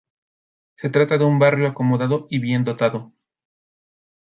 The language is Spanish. Se trata de un barrio acomodado y bien dotado.